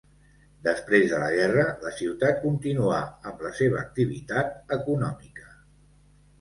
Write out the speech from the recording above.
Després de la guerra, la ciutat continuà amb la seva activitat econòmica.